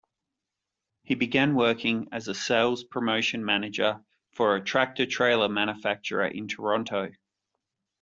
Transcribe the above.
He began working as a sales promotion manager for a tractor-trailer manufacturer in Toronto.